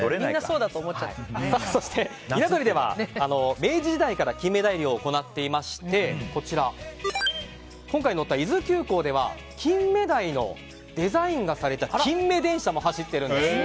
そして、稲取では明治時代からキンメダイ漁を行っていまして今回乗った伊豆急行ではキンメダイのデザインがされたキンメ電車も走っているんです。